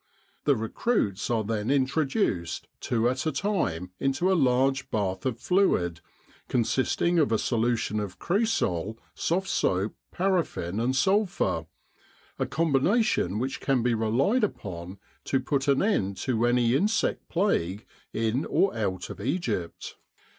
The recruits are then intro duced, two at a time, into a large bath of fluid, consis ting of a solution of cresol, soft soap, paraffin and sulphur a combination which can be relied upon to put an end to any insect plague in or out of Egypt.